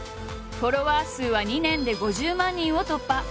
フォロワー数は２年で５０万人を突破！